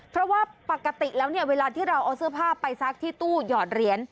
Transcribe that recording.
เพราะว่าปกติแล้วเนี่ยเวลาที่เราเอาเสื้อผ้าไปซักที่ตู้หยอดเหรียญ